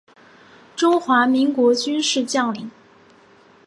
中华民国军事将领。